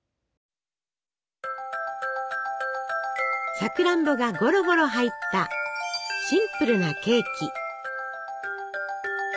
さくらんぼがゴロゴロ入ったシンプルなケーキ。